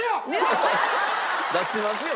出してますよ